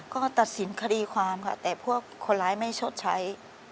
ก็ตัดสินคดีความค่ะแต่พวกคนร้ายไม่ชดใช้